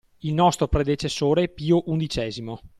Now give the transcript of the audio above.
Il nostro predecessore Pio XI